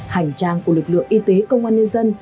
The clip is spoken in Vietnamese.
hành trang của lực lượng y tế công an nhân dân